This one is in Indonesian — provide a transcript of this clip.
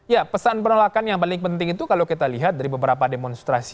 ya pesan penolakan yang paling penting itu kalau kita lihat dari beberapa demonstrasi